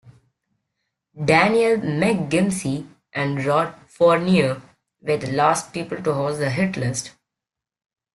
Danielle McGimsie and Rob Fournier, were the last people to host the "Hit List".